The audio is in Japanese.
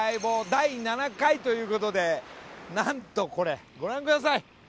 第７回という事でなんとこれご覧ください！